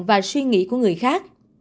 và suy nghĩ của người khác